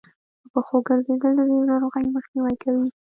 په پښو ګرځېدل د ډېرو ناروغيو مخنیوی کوي